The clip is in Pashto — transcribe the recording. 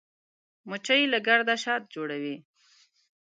مچمچۍ له ګرده شات جوړوي